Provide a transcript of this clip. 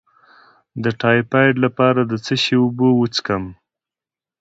د ټایفایډ لپاره د څه شي اوبه وڅښم؟